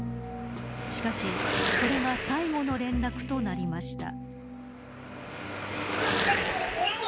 しかし、これが最後の連絡となりました。